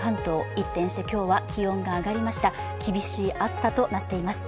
一転して今日は気温が上がりました、厳しい暑さとなっています。